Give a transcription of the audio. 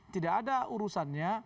tidak ada urusannya